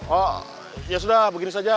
oh ya sudah begini saja